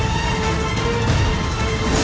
masa itu kekis